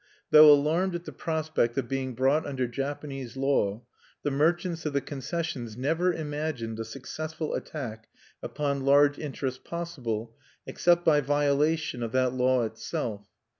Though alarmed at the prospect of being brought under Japanese law, the merchants of the concessions never imagined a successful attack upon large interests possible, except by violation of that law itself.